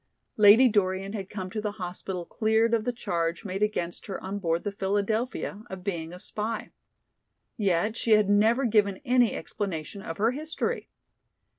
Lady Dorian had come to the hospital cleared of the charge made against her on board the "Philadelphia" of being a spy. Yet she had never given any explanation of her history.